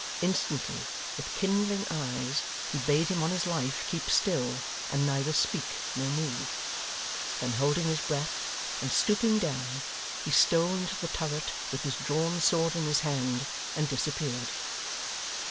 Instantly, with kindling eyes, he bade him on his life keep still, and neither speak nor move. Then holding his breath, and stooping down, he stole into the turret, with his drawn sword in his hand, and disappeared.